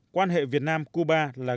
quan hệ việt nam cuba là gặp mặt đại diện